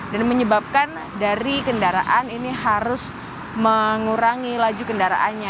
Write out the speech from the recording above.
dan menyebabkan dari kendaraan ini harus mengurangi laju kendaraannya